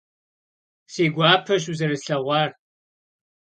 Si guapeş vuzerıslheğuar.